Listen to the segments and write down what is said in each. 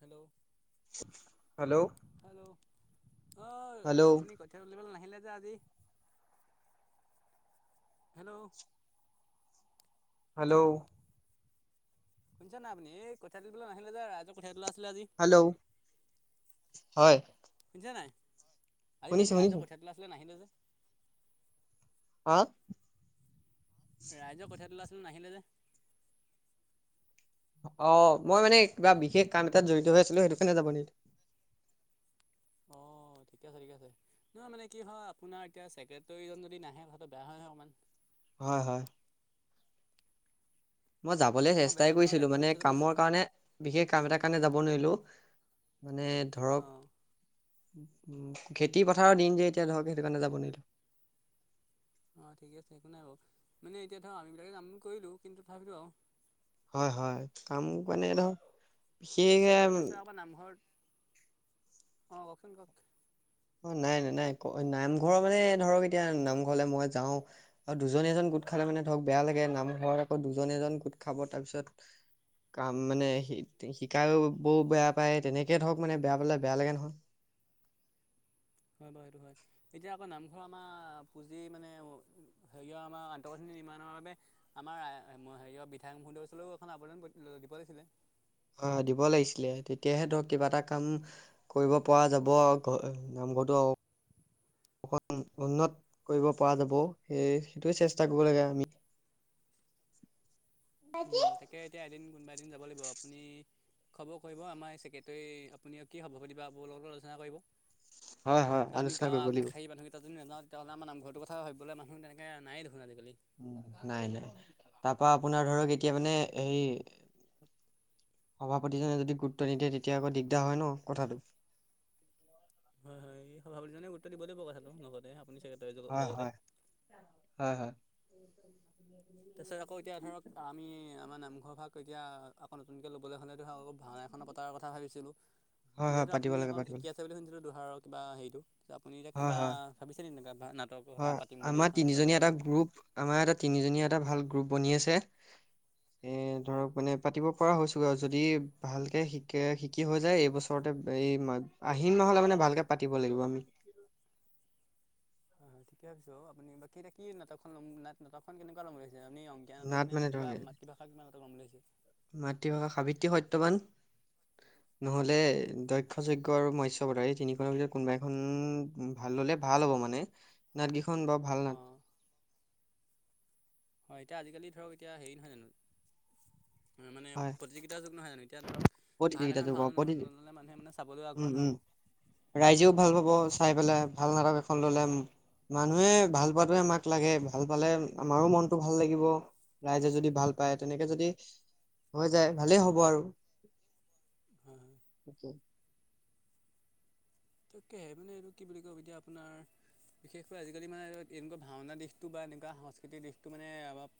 Hello hello? Hello অ', আপুনি hello ক'ত [unintelligible] তুলিবলৈ নাহিলে যে আজি, হেল্ল'? হেল্ল'? শুনিছে নে নাই আপুনি এই কঠিয়া তুলিবলৈ নাহিলে যে, আজি ৰাইজৰ কঠীয়া তোলা আছিলে আজি। হেল্ল' হয়। শুনিছে নে নাই আজি শুনিছো শুনিছো ৰাইজৰ কঠীয়া তোলা আছিলে নাহিলে যে? আ। ৰাইজৰ কঠীয়া তোলা আছিলে নাহিলে যে? অ', মই মানে কিবা বিশেষ কাম এটাত জড়িত হৈ আছিলো সেইটো কাৰণে যাব নোৱাৰিলোঁ। অ', ঠিকে আছে ঠিকে আছে। নহয় মানে কি হয়, আপোনাৰ এতিয়া ছেক্ৰেটেৰীজন যদি নাহে কথাটো বেয়া হয় নহয়, অকণমান। হয়, হয়। মই যাবলৈ আপুনি আকৌ বেলেগ চেষ্টাই এজনক কৰিছিলো দায়িত্বটো দি মানে থৈ যাব লাগিছিলে কামৰ কাৰণে বিশেষ কাম এটাৰ কাৰণে, যাব নোৱাৰিলো মানে ধৰক অ' উম, খেতি পথাৰৰ দিন যে এতিয়া ধৰক সেইটো কাৰণে, যাব নোৱাৰিলো। অ', ঠিকে আছে একো নাই বাৰু মানে এতিয়া ধৰক আমিবিলাকে কামটো কৰিলোঁ কিন্তু, তথাপিতো আৰু। হয়, হয়, কাম কাৰনে ধৰক নামঘৰ অ', কওচোন কওক। অ', নাই নাই নাই নামঘৰ মানে ধৰক এতিয়া নামঘৰলে মই যাও। আৰু দুজন এজন গোট খালে মানে ধৰক বেয়া লাগে নামঘৰত আকৌ দুজন এজন গোট খাব তাৰপিছত কাম মানে শিকাবও বেয়া পায় তেনেকে ধৰক বেয়া পালে বেয়া লাগে নহয়। হয়, বাৰু সেইটো হয়। এতিয়া আকৌ নামঘৰ আমাৰ পুঁজি মানে হেৰিয়ৰ আমাৰ আন্তঃগাঁথনি নিৰ্মাণৰ বাবে আমাৰ হেৰিয়ৰ বিধায়ক মহোদয়ৰ ওচৰলৈও এখন আবেদন দিব লাগছিলে। হয়, হয়, দিব লাগিছিলে তেতিয়াহে ধৰক কিবা এটা কাম। কৰিব পৰা যাব আৰু নামঘৰটো। অকন উন্নত কৰিব পৰা যাব সেই সেইটোৱে চেষ্টা কৰিব লাগে আমি। উম, তাকে এতিয়া এদিন কোনবা এদিন যাব লাগিব আপুনি। খ'বৰ কৰিব আমাৰ ছেক্ৰেটৰী আপুনি কি হ'ব লগটো আলোচনা কৰিব। হয় হয় আমি আলোচনা গাঁৱৰ কৰিব আগ লাগিব শাৰীৰ মানুহ কেইটা যদি নাযাও। তেতিয়াহ'লে আমাৰ নামঘৰটোৰ কথা ভাবিবলৈ মানুহ তেনেকে নাই দেখোন আজিকালি। উম, নাই নাই তাৰ পৰা আপোনাৰ ধৰক এতিয়া মানে হেই। সভাপতিজনে যদি গুৰুত্ব নিদিয়ে তেতিয়া আকৌ দিগদাৰ হয়, ন' কথাটো। হয়, হয়, এই সভাপতিজনে গুৰুত্ব দিব লাগিব কথাটো লগতে আপুনি চেক্ৰেটাৰী হয় লগতে। হয় হয়, হয়। [inaudible] তাৰপিছত আকৌ এতিয়া ধৰক আমি আমাৰ নামঘৰ ভাগ এতিয়া আকৌ নতুনকে ল'বলৈ হ'লে ধৰক আকৌ ভাওনা। পতাৰ কথা ভাবিছিলোঁ হয় হয় যিহেতু পাতিব আপুনি লাগে অকণ পাতিব শিকি লাগে আছে। বুলি শুনিছিলোঁ দুহাৰৰ কিবা হেৰিটো আপুনি এতিয়া হয় কিবা হয় ভাবিছে নেকি তেনেকুৱা নাটক? হয়, আমাৰ তিনিজনীয়া এটা গ্ৰুপ। আমাৰ এটা তিনিজনীয়া এটা ভাল গ্ৰুপ বনি আছে, এ হয় ধৰক মানে পাতিব পৰা হৈছে। গৈ যদি ভালকে শিকে শিকি হৈ যাই এইবছৰতে এই আহিন মাহলে মানে ভালকে পাতিব লাগিব আমি। হয়, হয়, ঠিকে ভাবিছোঁ আপুনি বাকী এতিয়া কি নাটকখন লম নাট-নাটকখন কেনেকুৱা লম বুলি ভাবিছে আপুনি। অংকীয়া নাটক নাট নে নে মানে কিবা ধৰক মাতৃভাষা কিবা নাটক লম বুলি ভাবিছে? মাতৃভাষা সাৱিত্ৰী সত্যবান। উ। নহলে দক্ষ যখ্য আৰু মস্য় বধাই এই তিনিখনৰ ভিতৰত কোনোবা এখন। ভাল ল'লে ভাল হ'ব মানে নাতকেইখন বা। অ। হয় এতিয়া আজিকালি ধৰক এতিয়া হেৰি নহয় জানো হয় মানে প্ৰতিযোগিতাযুগ নহয় জানো এতিয়া ধৰক। ভাল প্ৰতিযোগিতা এখন যোগ ভাওনা প্ৰতিযোগি নল'লে মানুহে মানে চাবলৈ আগ্ৰহ উম নহ'ব উম। ৰাইজেও ভাল পাব চাই পেলাই ভাল নাটক এখন ল'লে। মানুহে ভাল পোৱাতোহে আমাক লাগে ভাল পালে আমাৰো মনটো ভাল লাগিব। ৰাইজে যদি ভাল পায় তেনেকে যদি হৈ যায় ভালেই হব আৰু। হয় হয় উ। তাককেহে মানে এইটো কি বুলি কব এতিয়া আপোনাৰ। বিশেষকৈ আজিকালি মানে এনেকুৱা ভাওনা দিশটো বা এনেকুৱা সাংস্কৃতিক দিশটো মানে।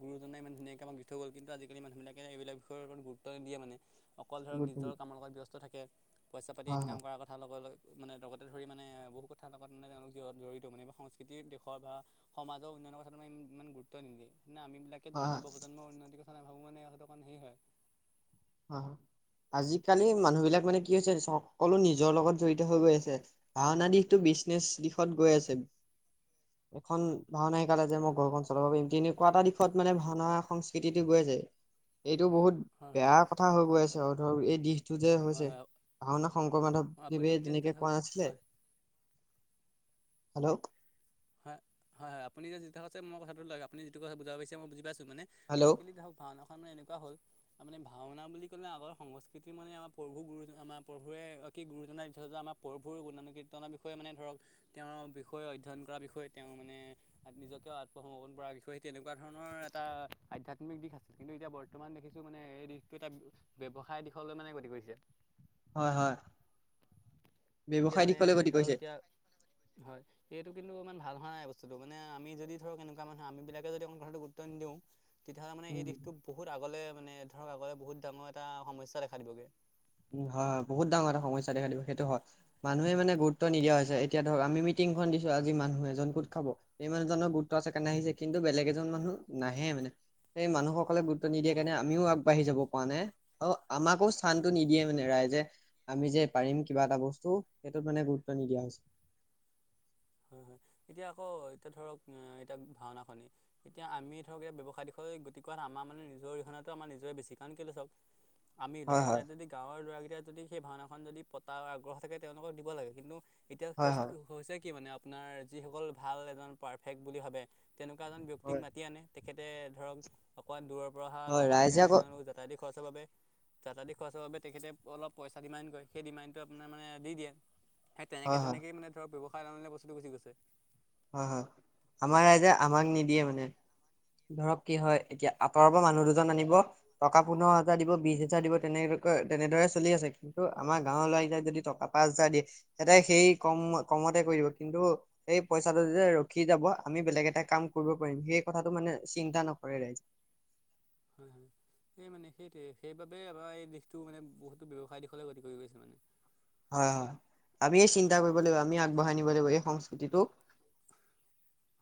গৰুজনে ইমান ধুনীয়াকে দি থৈ গ'ল কিন্তুজালি মানুহবিলাকে এইবিলাকত বিষৰ ওপৰত ইমান গুৰুত্ব নিদিয়ে মানে। অকল ধৰক গুড নিজৰ কামৰ লগত ব্যস্ত থাকে পইচা পাতি হয় ইনকাম হয় কৰাৰ কথা লগে লগ। মানে লগতে ধৰি মানে বহুত কথা লগাত মানে তেওঁলোক জত জড়িত মানে সংস্কৃতিৰ দেশৰ বা। সমাজৰ উন্নয়নৰ কথাত ইমান গুৰুত্ব নিদিয়ে নে আমি বিলাক। কে হয় যদি হয় জিব প্ৰজন্মই উনতি কথা নাভাবো অকণ হে হয়। অ আজিকালি মানুহ বিলাক মানে কি হৈছে সকলো নিজৰ লগত জড়িত হৈ গৈ আছে। ভাওনা দিশটো বিচনেচ দিশত গৈ আছে। হয় এখন ভাওনা শিকালে যে মই ঘৰখন চলাব পাৰিম তেনেকুৱা এটা দিশত মানে ভাওনা সংস্কৃতিটো গৈ আছে। এইটো বহুত হয় বেয়া কথা হৈ গৈ আছে আও ধৰক এই দিশ তু যে হয় হৈছে, হয় ভাওনা শংকৰ মাধৱ হয় আপুনি দেৱে এতিয়া যিটো তেনেকে কথা কৰা নাছিলে। হয় হেল্ল। হে, হয় হয় আপুনি যে যিটো কথা কৈছে মই কথাটো লাগ আপুনি যিটো কথা বুজাব পৰিছে মই বুজি পাইছোঁ মানে হেল্ল' আজিকালি ধৰক ভাওনাখন মানে এনেকুৱা হ'ল তাৰমানে ভাওনা বুলি ক'লে আগৰ সংস্কৃতি মানে আমাৰ প্ৰভু গুৰুজন আমাৰ প্ৰভুৱে কি গুৰুজনাই দি থৈ যোৱা আমাৰ প্ৰৰভুৰ গুণানুকীৰ্তনাৰ বিষয়ে মানে ধৰক তেওঁৰ বিষয়ে অধ্যয়ন কৰাৰ বিষয়ে তেওঁ মানে নিজকেও আত্মসমৰ্পন কৰাৰ বিষয় সেই তেনেকুৱা ধৰণৰ এটা আধ্যাত্মিক দিশ আছিল, কিন্তু এতিয়া বৰ্ত বৰ্তমান দেখিছো মানে এই দিশটো এটা ব্যৱসায় দিশলৈ মানে গতি কৰিছে। হয় হয় এতিয়া ব্যৱসায় মানে দিশলে গতি ধৰক কৰিছে। এতিয়া হয়। সেইটো কিন্তু ইমান ভাল হোৱা নাই বস্তুটো, মানে আমি যদি ধৰক এনেকুৱা মানুহ আমিবিলাকে যদি অকন কথাটো গুৰুত্ব নিদিওঁ তেতিয়াহ'লে মানে এই দিশটো বহুত আগলে মানে ধৰক আগলে বহুত ডাঙৰ এটা সমস্যা দেখা দিবগে। উম হয় হয় বহুত ডাঙৰ এটা সমস্যা দেখা দিব সেইটো হয়। মানুহে মানে গুৰুত্ব নিদিয়া হৈছে, এতিয়া ধৰক আমি মিটিংখন দিছো আজি মানুহ এজন গোট খাব সেই মানুহজনৰ গুৰুত্ব আছে কাৰণে আহিছে, কিন্তু বেলেগ এজন মানুহ নাহে মানে, সেই মানুহসকলে গু ত নিদিয়ে হয় কাৰণে হয় আমিও আগবাঢ়ি যাব পৰা নাই, আৰু আমাকো শান্ত টো হয়। নিদিয়ে মানে ৰাইজে আমি যে পাৰিম কিবা এটা বস্তু সেইটোত মানে গুৰুত্ব নিদিয়া হৈছে। হয় হয় এতিয়া আকৌ এতিয়া ধৰক এ এতিয়া ভাওনাখনি এতিয়া আমি ধৰক এইয়া ব্যৱসায় দিশলৈ গতি কৰাত আমাৰ মানে নিজৰ অৰিহণাটো আমাৰ নিজৰে বেছি কাৰণ কেলে চাওক [inaudible] আমি হয় লাগে হয় এতিয়া যদি গাঁৱৰ ল'ৰাকেইটা যদি সেই ভাওনাখন যদি পতা আগ্ৰহ থাকে তেওঁলোকক দিব লাগে কিন্তু হয় হয় এতিয়া হৈছে কি মানে আপোনাৰ যিসকল ভাল এজন পাৰ্ফেক্ট বুলি ভাবে তেনেকুৱা এজন ব্যক্তিক হয় মাতি আনে, তেখেতে ধৰক অকমান দূৰৰ পৰা হয় অহা ৰাইজে কাৰণে আকৌ তেওঁলোক জাত ত দি খৰচৰ বাবে যাতাতি খৰচৰ বাবে তেখেতে অলপ পইচা ডিমাণ্ড কৰে, সেই ডিমাণ্ডটো আপোনাৰ মানে দি দিয়ে। সেই তেনেকে হয় হয় তেনেকে মানে ধৰক ব্যৱসায় দামলে বস্তুটো গুচি গৈছে। হয় হয়, আমাৰ ৰাইজে আমাক নিদিয়ে মানে। ধৰক কি হয়, এতিয়া আঁতৰৰ পৰা মানুহ দুজন আনিব টকা পোন্ধৰ হাজাৰ দিব বিশ হাজাৰ দিব তেনেকৈ তেনেদৰে চলি আছে। কিন্তু আমাৰ গাঁৱৰ ল'ৰা কেইটাক যদি টকা পাঁচ হাজাৰ দিয়ে তেতিয়া সেই কম কমতে কৰি দিব, কিন্তু সেই পইচাটো যে ৰখি যাব আমি বেলেগ এটা কাম কৰিব পাৰিম, সেই কথাটো টো মানে চিন্তা নকৰে ৰাইজে। হয় হয়। সেই মানে সেইটোৱে, সেইবাবে আমাৰ এই দিশটো মানে বহুতো ব্যৱসায় দিশলে গতি কৰি গৈছে মানে। হয় হয়, আমিয়ে চিন্তা কৰিব লাগিব আমিয়ে আগবঢ়াই নিব লাগিব এই সংস্কৃতিটোক।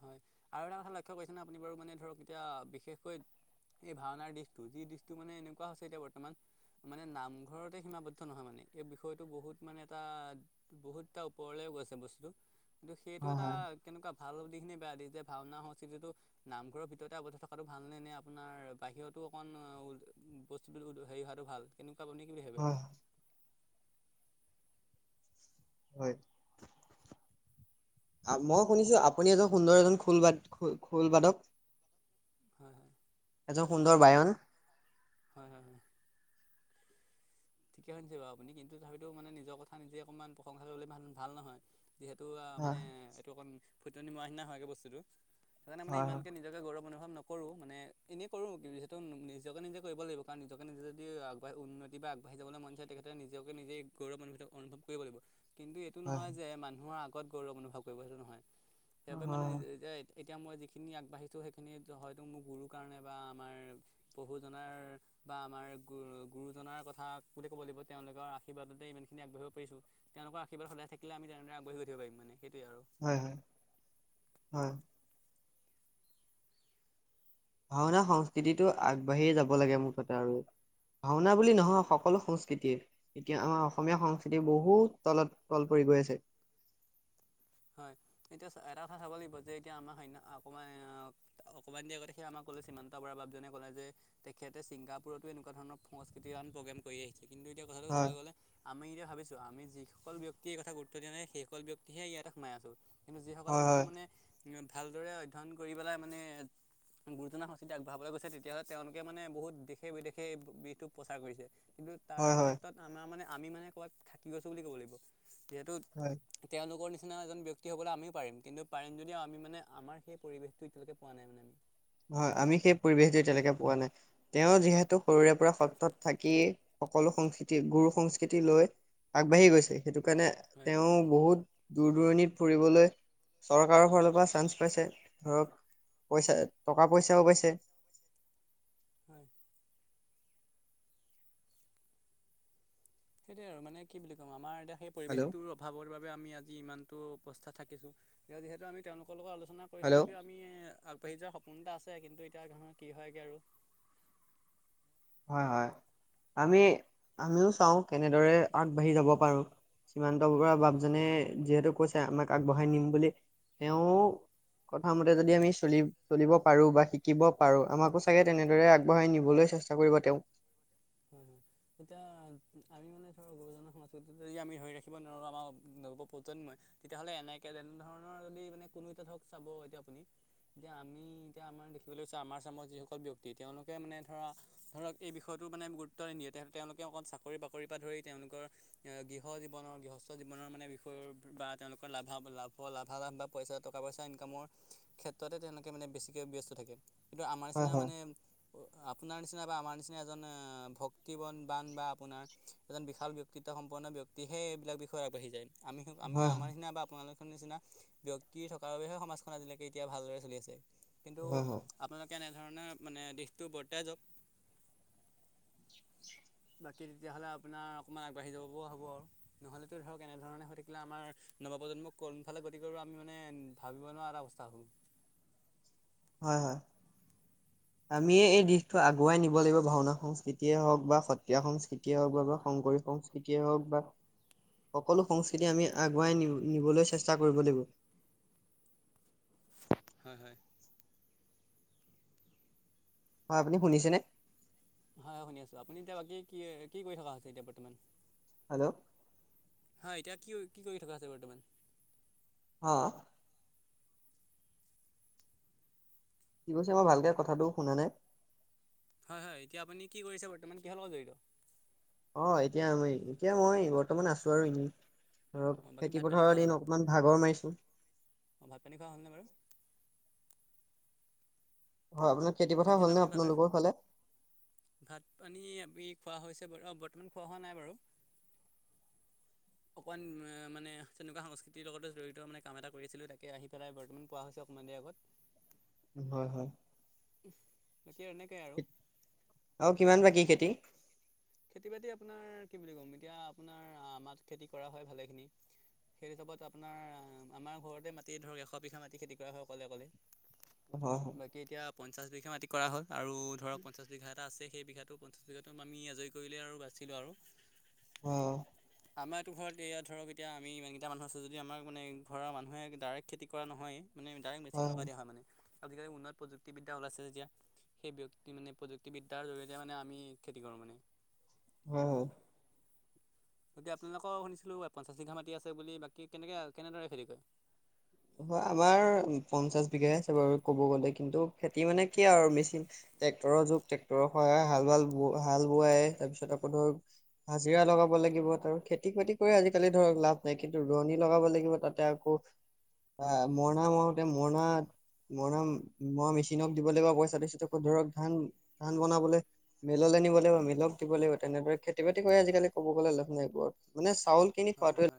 হয়, আৰু এটা কথা লক্ষ্য কৰিছেনে আপুনি বাৰু মানে ধৰক এতিয়া বিশেষকৈ এই ভাওনাৰ দিশটো, যি দিশটো মানে এনেকুৱা হৈছে এতিয়া বৰ্তমান মানে নামঘৰতে সীমাবদ্ধ নহয় মানে, এই বিষয়টো বহুত মানে এটা বহুত এটা ওপৰলৈও গৈছে বস্তুটো, কিন্তু হয় সেইটোত হয় কেনেকুৱা ভাল দিশ নে বেয়া দিশ যে ভাওনা সংস্কৃতিটো নামঘৰৰ ভিতৰতে আৱদ্ধ থকাটো ভালনে নে? নে আপোনাৰ বাহিৰতো অকণ বস্তুটো হেৰি হোৱাটো ভাল? কেনেকুৱা বনে কি বুলি ভাবে? হয় হয়। আ মই শুনিছো, আপুনি এজন সুন্দৰ এজন খোল বাদ খোল বাদক। হয় হয়। এজন সুন্দৰ বায়ন। হয় হয় হয়। ঠিকে শুনিছে বাৰু আপুনি কিন্তু তথাপিতো মানে নিজৰ কথা নিজে অকণমান প্ৰশংসা কৰিলে ভাল নহয়। যিহেতু আ হয় মানে এইটো অকণ ফুটনি মৰা নিচিনা হয়গৈ বস্তুটো, সেইকাৰণে মানে হয় ইমানকে নিজ নিজকে গৌৰৱ অনুভৱ নকৰো, মানে এনেই কৰো যিহেতু নিজকে নিজে কৰিব লাগিব কাৰণ নিজকে নিজে যদি আ উপ [unintelligible] উন্নতি বা বাঢ়ি যাবলৈ মন আছে তেখেতে নিজকে নিজেই গৌৰৱ অনুভিত অনুভৱ কৰিব লাগিব, কিন্তু এইটো হয় হয় নহয় যে মানুহৰ আগ ত গৌৰৱ অনুভৱ কৰিব নহয়, সেইবাবে মানে নিজে এতিয়া মই যিখিনি আগবাঢ়িছোঁ সেইখিনিত হয়তো মোৰ গুৰু কাৰণে বা আমাৰ প্ৰভুজনাৰ বা আমাৰ গু গুৰুজনাৰ কথা বুলি ক'ব লাগিব তেওঁলোকৰ আশীৰ্বাদতে ইমানখিনি আগবাঢ়িব পাৰিছোঁ। তেওঁলোকৰ আশীৰ্বাদ সদায় থাকিলে আমি তেনেদৰে আগবাঢ়ি গৈ থাকিব পাৰিম মানে সেইটোৱে আৰু হয় হয়, হয়। ভাওনা সংস্কৃতিটো আগবাঢ়িয়ে যাব লাগে মুঠতে আৰু ভাওনা বুলি নহয় সকলো সংস্কৃতিয়ে এতিয়া আমাৰ অসমীয়া সংস্কৃতি বহুত তলত তল পৰি গৈ আছে। হয়, এতিয়া চা এটা কথা চাব লাগিব যে এতিয়া আমাৰ সন্য় [unintelligible] অকণমান আ অকণমান দেৰি আগত সেই আমাক কলে শ্ৰী সিমান্ত বৰা বাপজনে ক'লে যে তেখেতে ছিংগাপুৰতো এনেকুৱা ধৰণৰ সংস্কৃতিৱান প্ৰগ্ৰেম কৰি আহিছে, কিন্তু এতিয়া কথাটো হয় চাবলৈ গ'লে আমি এতিয়া ভাবিছোঁ আমি যিকল ব্যক্তিৰ কথা গুৰুত্ব দিয়া নাই সেইসকল ব্যক্তিহে ইয়াতে সোমাই আছোঁ। কিন্তু যিসকলে কথাটো হয় মানে ভালদৰে অধ্যয়ন কৰি পেলাই মানে গুৰুজনাৰ সংস্কৃতি আগবঢ়াবলৈ গৈছে তেতিয়া হ'লে তেওঁলোকে মানে বহুত দেশে বিদেশে এই বিষটো প্ৰচাৰ কৰিছে। কিন্তু তাৰ হয় হয় হয় ক্ষেত্ৰত আমাৰ মানে আমি মানে ক'ৰবাত থাকি গৈছোঁ বুলি ক'ব লাগিব, যিহেতু হয়। তেওঁলোকৰ নিচি [unintelligible] নিচনা এজন ব্যক্তি হ'বলে আমিও পাৰিম ব্যক্তি হবলে আমিও পাৰিম কিন্তু পাৰিম যদিও আমি মানে আমাৰ সেই পৰিৱেশটো এতিয়ালকে পোৱা নাই মানে আমি। হয়, আমি সেই পৰিৱেশটো এতিয়ালৈকে পোৱা নাই। তেওঁ যিহেতু সৰুৰে পৰা সত্ৰত থাকি সকলো সংস্কৃতি গুৰু সংস্কৃতি লৈ আগবাঢ়ি গৈছে সেইটো কাৰণে হয় তেওঁ বহুত দূৰ দূৰণিত ফুৰিবলৈ, চৰকাৰৰ ফালৰ পৰা চান্স পাইছে ধৰক পইচা, টকা পইচাও পাইছে হয়। সেইটোৱেই আৰু মানে কি বুলি কম আমাৰ এতিয়া সেই হেল্ল' পৰিৱেশটো অভাৱৰ বাবে আমি আজি ইমানটো অৱস্থা থাকিছোঁ। যিহেতু আমি তেওঁলোকৰ লগত আলোচনা কৰিছোঁ হেল্ল' যদিও তুমিয়ে আগবাঢ়ি যোৱা সপোন এটা আছে কিন্তু এতিয়া ধৰণৰ কি হয়গে আৰু হয়', হয়। আমি আমিও চাওঁ কেনেদৰে আগবাঢ়ি যাব পাৰোঁ। সীমান্ত বাবা হয় হয় বাপজনে যিহেতু কৈছে আমাক আগবঢ়াই নিম বুলি তেওঁ কথা মতে যদি আমি চলি চলিব পাৰোঁ বা শিকিব পাৰোঁ। আমাকো চাগে তেনেদৰে আগবঢ়াই নিবলৈ চেষ্টা [unintelligible] কৰিব তেওঁ উ', উ। তেতিয়া আমি মানে ধৰক গুৰুজনা সংস্কৃতি যদি আমি ধৰি ৰাখিব নোৱাৰোঁ আমাৰ নৱ প্ৰজন্মই তেতিয়াহ'লে এনেকে তেনে ধৰণৰ যদি মানে কোনো এটা ধৰক চাব এতিয়া আপুনি এতিয়া আমি এতিয়া আমাৰ দেখিবলৈ চাওঁ, আমাৰ চামৰ যিসকল ব্যক্তি তেওঁলোকে মানে ধৰা ধৰক এই বিষয়ত টো মানে গুৰুত্ব নিদিয়ে তেওঁ তেওঁলোকে অকল চাকৰি -বাকৰিৰ পৰা ধৰি তেওঁলোকৰ গৃহ জীৱনৰ গৃহস্থ জীৱনৰ মানে বিষয় সুখ বা তেওঁলোকৰ লাভা লাভ লাভালাভ বা পইচা টকা- পইচা ইনকামৰ ক্ষেত্ৰত তে তেওঁলোকে মানে বেছিকৈ ব্যস্ত থাকে, কিন্তু আমাৰ হয় নিচিনা হয় মানে আপোনাৰ নিচিনা বা আমাৰ নিচিনা এজন ভক্তিবন বান বা আপোনাৰ এজন বিশাল ব্যক্তিত্ব সম্পন্ন ব্যক্তিহে এইবিলাক বিষয়ে আগবাঢ়ি যায়। আমি হক আমি হয় আমাৰ নিচিনা বা আপোনাৰ নিচিনা ব্যক্তি থকাৰ বাবেহে সমাজখন আজিলৈকে এতিয়া ভালদৰে চলি আছে, কিন্তু হয় হয়। আপোনালোকে এনেধৰণে মানে দিশটো বৰ্তাই যাওঁক। বাকী তেতিয়াহ'লে আপোনাৰ অকণমান আগবাঢ়ি যাব পৰা হ'ব আৰু নহ'লেতো ধৰক এনেধৰণে হৈ থাকিলে আমাৰ নৱপ্ৰজন্মক কোনফালে গতি কৰিব আমি মানে ভাবিব নোৱাৰা এটা অৱস্থা হ'ব। হয়, হয়। [inaudible] আমিয়ে এই দিশতটো আগুৱাই নিব লাগিব ভাওনা সংস্কৃতিয়ে হওঁক বা সত্ৰীয়া সংস্কৃতিয়ে হওঁক বা শংকৰি সংস্কৃতি তিয়ে হওঁক বা সকলো সংস্কৃতি আমি আগুৱাই নি-নিবলৈ চেষ্টা কৰিব লাগিব। হয়, হয়। হয়, আপুনি শুনিছেনে? হয়, হয়। শুনি আছোঁ আপুনি এতিয়া বাকী কি কি কৰি থকা হৈছে এতিয়া বৰ্তমান? হেল্ল'? হয়, এতিয়া কি কি কৰি থকা আছে বৰ্তমান? অ'। কি কৈছে মই ভালকে কথাটো শুনা নাই। হয়, হয়। এতিয়া আপুনি কি কৰিছে বৰ্তমান কিহৰ লগত জড়িত? অ', এতিয়া আমি এতিয়া মই বৰ্তমান আছোঁ আৰু এনেই। ধৰক অঁ বাকী ভাত পানী খেতিপথাৰৰ খোৱা দিন অকণমান ভাগৰ মাৰিছোঁ। অ', ভাত-পানী খোৱা হ'লনে বাৰু? হয়, আপোনাৰ খেতি পথাৰ শুনিছে হ'ল নে আপুনি ভালদৰে? আপোনালোকৰ ফালে ভাত-পানী আমি খোৱা হৈছে বৰ্তমান খোৱা হোৱা নাই বাৰু। [inaudible] অকণমান মানে তেনেকুৱা সংস্কৃতিৰ লগতে জড়িত মানে কাম এটা কৰি আছিলোঁ। তাকে আহি পেলাই বৰ্তমান পোৱা হৈছে। অকমান দেৰি আগত। হয়, হয়। বাকী আৰু এনেকেই আৰু কিমান বাকী খেতি? খেতি-বাতি আপোনাৰ কি বুলি ক'ম এতিয়া আপোনাৰ আমাৰটো খেতি কৰা হয় ভালেখিনি। সেই হিচাপত আপোনাৰ আমাৰ ঘৰতে মাটি ধৰক এশ বিঘা মাটি খেতি কৰা হয়, অকলে অকলে। হয় হয় বাকী এতিয়া পঞ্চাশ বিঘা মাটি কৰা হ'ল আৰু ধৰক পঞ্চাশ বিঘা এটা আছে সেই বিঘাটো আমি আজৰি কৰিলে আৰু বাছিলোঁ আৰু। অ'। আমাৰ এইতো ঘৰত এয়া ধৰক এতিয়া আমি ইমানকেইটা মানুহ আছোঁ যদি আমাৰ মানে ঘৰৰ মানুহে ডাইৰেক্ট খেতি কৰা নহয়। মানে ডাইৰেক্ট মেচিন লগাই দিয়া হয় মানে আজিকালি উন্নতপ্ৰযুক্তিবিদ্যা ওলাইছে যেতিয়া। সেই ব্যক্তি মানে প্ৰযুক্তিবিদ্যাৰ জৰিয়তে মানে আমি খেতি কৰোঁ মানে। হয়, হয়। এতিয়া আপোনালোকৰ শুনিছিলোঁ পঞ্চাছ বিঘা মাটি আছে বাকী কেনেকে কেনেদৰে খেতি কৰে? হয়, আমাৰ পঞ্চাশ বিঘাই আছে বাৰু ক'ব গ'লে কিন্তু খেতি মানে কি আৰু মেচিন ট্ৰেক্টৰৰ যুগ ট্ৰেক্টৰ সহায় হাল হাল বোৱাই তাৰপিছত আকৌ ধৰক হাজিৰা লগাব লাগিব তাৰ খেতি বাতি কৰি আজিকালি ধৰক লাভ নাই কিন্তু ৰোৱনী লগাব লাগিব তাতে আকৌ আ, মৰণা মাৰোতে মৰণত মৰণা মৰা মেচিনক দিব লাগিব পইচাটো, তাৰ পাছত ধৰক ধান ধান বনাবলৈ। মিললৈ নিব লাগিব, মিলত দিব লাগিব। তেনেদৰে খেতি-বাতি কৰি আজিকালি ক'ব গ'লে লাভ নাই বৰ, মানে চাউল কিনি হয় হয় খোৱাটোৱে হয়